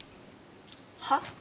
はっ？